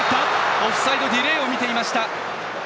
オフサイドディレイを見ていました。